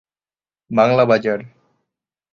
বাংলা বাজার